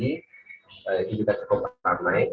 ini juga cukup ramai